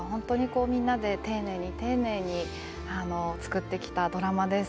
みんなで丁寧に丁寧に作ってきたドラマです。